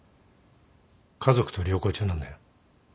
家族と旅行中なんだよ。